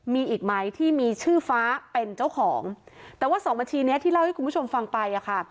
มีอีกไหมที่มีชื่อฟ้าเป็นเจ้าของแต่ว่าสองบัญชีนี้ที่เล่าให้คุณผู้ชมฟังไปอ่ะค่ะ